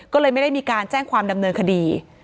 ก็เลยไม่ได้มีการแจ้งความดำเนินคดี